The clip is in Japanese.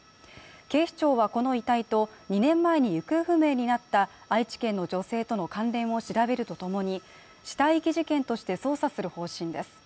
警視庁はこの遺体と２年前に行方不明になった愛知県の女性との関連を調べるとともに、死体遺棄事件として捜査する方針です。